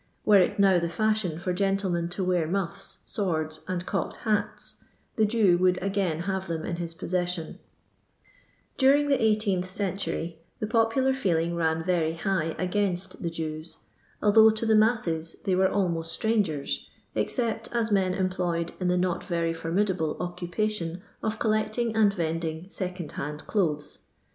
Were it now the &shi'on for gentlemen to wear muffi, swords, and cocked hats, the Jew would again have them in his possessioiL During the eighteenth century the popular feel ing ran veiy high against the Jews, although to the masses they were almoit strangers, except as men employed in the not Tery formidable occupa tion of coUecting and vending second hand clothes.